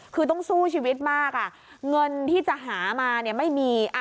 คือต้องสู้ชีวิตมากเงินที่จะหามาเนี่ยไม่มี